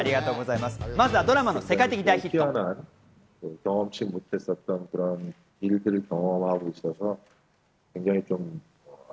まずはドラマの世界的大ヒット。